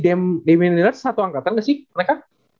atau si demi lillard satu angkatan gak sih mereka